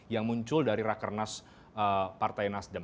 yang muncul dari rakernas partai nasdem